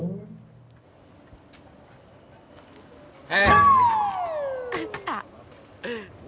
gua cari kemana mana